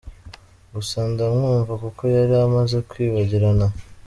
Gusa ndamwumva kuko yari amaze kwibagirana”